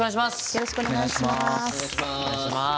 よろしくお願いします。